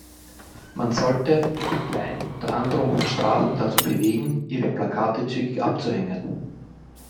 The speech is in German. Man sollte Parteien unter Androhung von Strafen dazu bewegen, ihre Plakate zügig abzuhängen.